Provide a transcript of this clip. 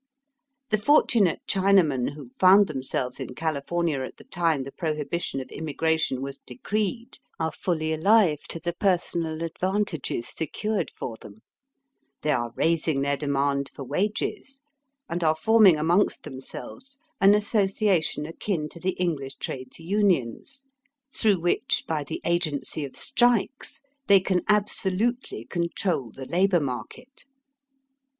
The fortunate China men who found themselves in California at the time the prohibition of immigration was decreed are fully alive to the personal advan Digitized by VjOOQIC THE LABOUR QUESTION. 137 tages secured for them. They are raising their demand for wages, and are forming amongst themselves an association akin to the EngKsh trades unions, through which by the agency of strikes they can absolutely control the labour market.